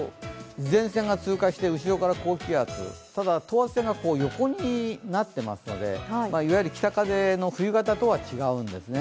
前線が通過して、後ろから高気圧ただ等圧線が横になってますので、いわゆる北風の冬型とは違うんですね。